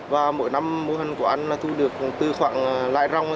và mỗi năm mô hình của anh thu được khoảng từ khoảng lại rong